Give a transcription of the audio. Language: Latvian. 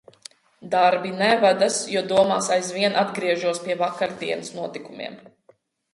Darbi nevedas, jo domās aizvien atgriežos pie vakardienas notikumiem.